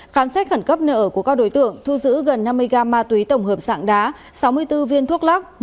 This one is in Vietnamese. khám xét khẩn cấp nợ của các đối tượng thu giữ gần năm mươi gram ma túy tổng hợp sạng đá sáu mươi bốn viên thuốc lắc